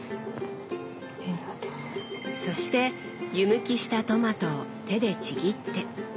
そして湯むきしたトマトを手でちぎって。